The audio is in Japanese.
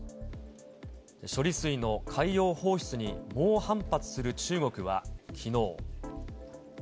処理水の海洋放出に猛反発する中国はきのう。